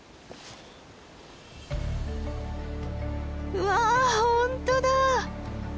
うわ本当だ！